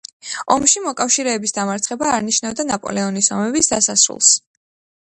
ომში მოკავშირეების დამარცხება არ ნიშნავდა ნაპოლეონის ომების დასასრულს.